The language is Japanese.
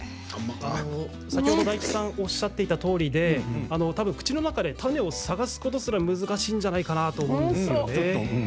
大吉さんがおっしゃってるとおりで口の中で種を探すことすら難しいんじゃないかなと思います。